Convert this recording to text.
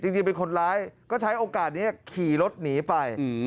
จริงเป็นคนร้ายก็ใช้โอกาสนี้ขี่รถหนีไป